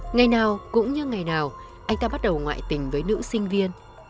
ngày nào cũng như ngày nào anh ta bắt đầu ngoại tình với nữ sinh viên